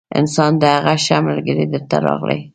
انسان د هغه ښه ملګري در ته راغلی